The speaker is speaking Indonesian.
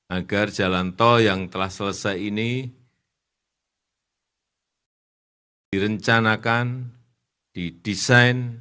agar jalan tol yang telah selesai ini direncanakan didesain